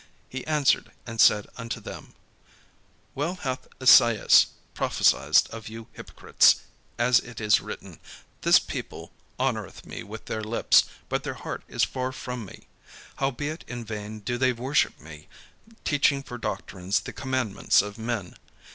He answered and said unto them: "Well hath Esaias prophesied of you hypocrites, as it is written, 'This people honoureth me with their lips, but their heart is far from me. Howbeit in vain do they worship me, teaching for doctrines the commandments of men.'